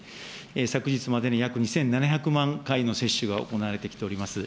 昨日までに約２７００万回の接種が行われてきております。